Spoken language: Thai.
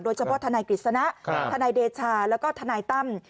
โดยเฉพาะทนายกฤษณะทนายเดชาแล้วก็ทนายตั้ม